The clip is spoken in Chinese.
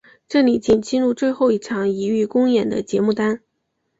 这里仅记录最后一场琦玉公演的节目单。